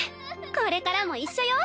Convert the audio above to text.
これからも一緒よ。